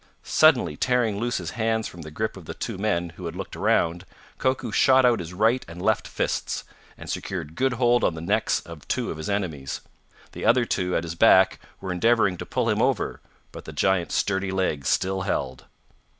Suddenly tearing loose his hands from the grip of the two men who had looked around, Koku shot out his right and left fists, and secured good hold on the necks of two of his enemies. The other two, at his back, were endeavoring to pull him over, but the giant's sturdy legs still held.